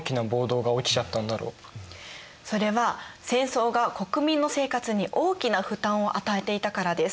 それは戦争が国民の生活に大きな負担を与えていたからです。